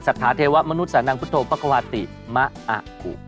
สัทธาเทวะมนุษย์สานังพุทธโพควาติมะอ่ะอุ